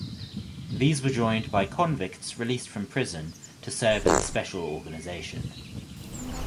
These were joined by convicts released from prison to serve in the Special Organization.